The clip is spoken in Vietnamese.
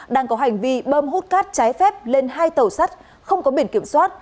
đang có hành vi bơm hút cát trái phép lên hai tàu sắt không có biển kiểm soát